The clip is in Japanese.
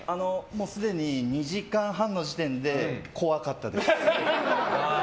すでに２時間半の時点で怖かったです。